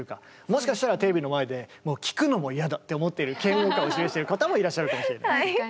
もしかしたらテレビの前でもう聴くのも嫌だって思っている嫌悪感を示している方もいらっしゃるかもしれない。